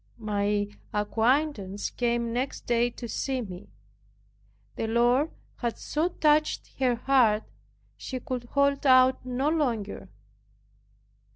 My acquaintance came next day to see me. The Lord had so touched her heart, she could hold out no longer.